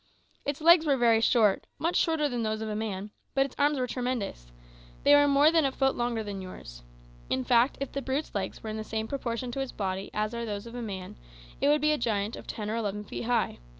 Its legs were very short much shorter than those of a man; but its arms were tremendous they were more than a foot longer than yours. In fact, if the brute's legs were in the same proportion to its body as are those of a man, it would be a giant of ten or eleven feet high.